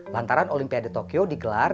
lantaran olimpiade tokyo digelar